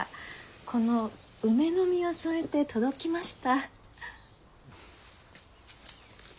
この梅の実を添えて届きました。